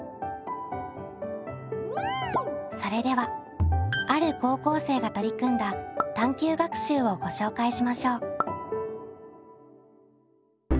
それではある高校生が取り組んだ探究学習をご紹介しましょう。